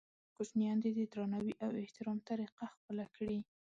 کوچنیان دې د درناوي او احترام طریقه خپله کړي.